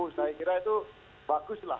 saya kira itu bagus lah